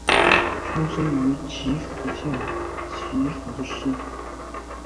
出身于岐阜县岐阜市。